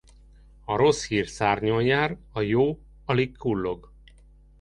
A rossz hír szárnyon jár, a jó alig kullog.